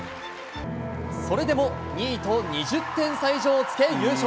それでも２位と２０点差以上つけ優勝。